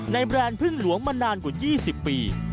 แบรนด์พึ่งหลวงมานานกว่า๒๐ปี